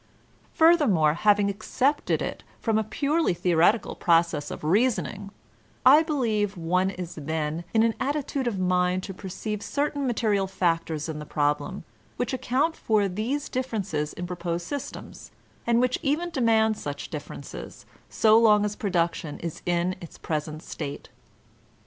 Furthermore, having accepted it from a purely the oretical process of reasoning, I believe one Is then In an attitude of mind to perceive certain material factors in the problem which account for these differences in pro posed systems, and which even demand such differences, so long as production is in its present state.